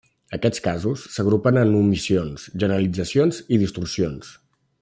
Aquests casos s'agrupen en omissions, generalitzacions i distorsions.